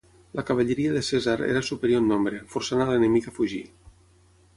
La cavalleria de Cèsar era superior en nombre, forçant a l'enemic a fugir.